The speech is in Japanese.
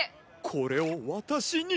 これを私に？